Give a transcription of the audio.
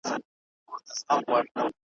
زما د بخت تصویر دی د بهزاد په قلم کښلی ,